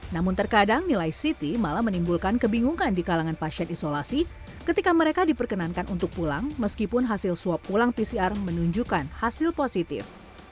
namun terkadang nilai ct malah menimbulkan kebingungan di kalangan pasien isolasi ketika mereka diperkenankan untuk pulang meskipun hasil swab pulang pcr menunjukkan hasil positif